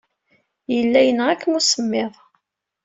Yella yenɣa-kem usemmiḍ.